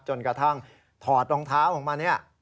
จนกระทั่งถอดรองเท้าออกมาเนี่ย